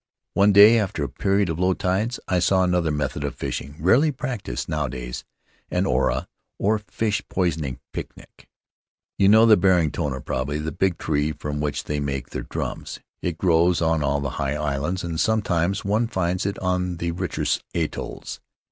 "One day, after a period of low tides, I saw another method of fishing — rarely practised nowadays — an ora, or fish poisoning picnic. You know the barring tonia, probably — the big tree from which they make their drums; it grows on all the high islands, and some times one finds it on the richer atolls.